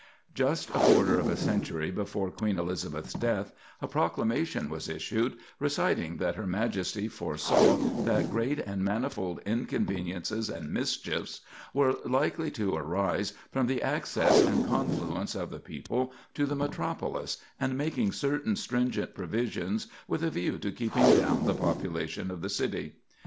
Just a quarter of a century before Queen Elizabeth's death, a proclamation was issued, reciting that her Majesty foresaw that "great and manifold inconveniences and mischiefs" were likely to arise "from the access and confluence of the people" to the metropolis, and making certain stringent provisions with a view to keeping down the population of the city.